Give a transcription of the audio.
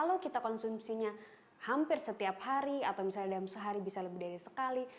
kalau kita konsumsinya hampir setiap hari atau misalnya dalam sehari bisa lebih dari sekali